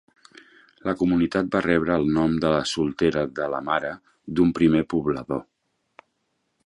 La comunitat va rebre el nom de soltera de la mare d'un primer poblador.